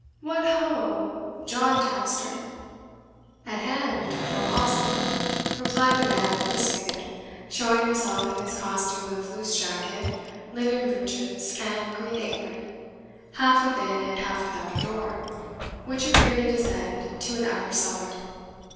"What, ho! John Tapster." "At hand, Will Hostler," replied the man of the spigot, showing himself in his costume of loose jacket, linen breeches, and green apron, half within and half without a door, which appeared to descend to an outer cellar.